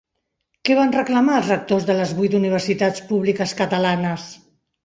Què van reclamar els rectors de les vuit universitats públiques catalanes?